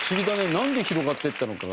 なんで広がっていったのかが。